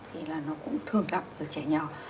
thì nó cũng thường gặp ở trẻ nhỏ